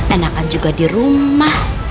enakan juga di rumah